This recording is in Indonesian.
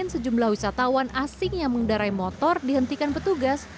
sejumlah wisatawan asing yang mengendarai motor dihentikan petugas